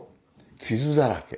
傷だらけ。